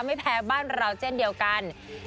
ไม่แพ้บ้านเราเช่นเดียวกัน